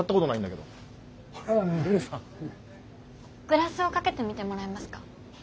グラスをかけてみてもらえますか？